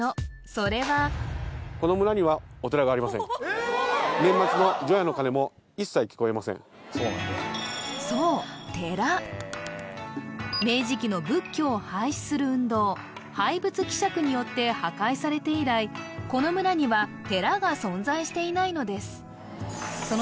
それはそう寺明治期の仏教を廃止する運動廃仏毀釈によって破壊されて以来この村には寺が存在していないのです